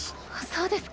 そうですか。